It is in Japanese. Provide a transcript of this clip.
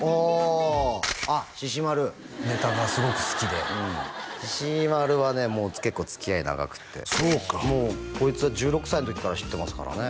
ああっしし丸ネタがすごく好きでしし丸はねもう結構つきあい長くてもうこいつは１６歳の時から知ってますからね